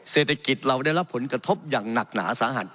เศรษฐกิจเราได้รับผลกระทบอย่างหนักหนาสาหัส